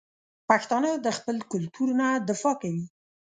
پښتانه د خپل کلتور نه دفاع کوي.